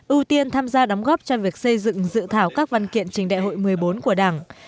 ưu tiên tham gia đóng góp cho việc xây dựng dự thảo các văn kiện trình đại hội một mươi bốn của đảng